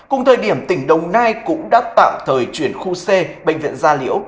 cùng thời điểm tỉnh đồng nai cũng đã tạm thời chuyển khu c bệnh viện gia liễu